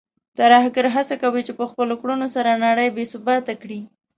ترهګر هڅه کوي چې په خپلو کړنو سره نړۍ بې ثباته کړي.